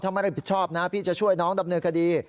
ถ้าไม่ได้ผิดชอบนะพี่จะช่วยน้องดำเนินคดี